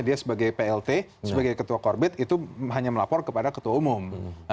dia sebagai plt sebagai ketua korbit itu hanya melapor kepada ketua umum